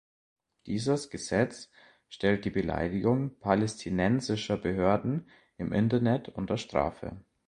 Dieses Gesetz stellt die Beleidigung palästinensischer Behörden im Internet unter Strafe.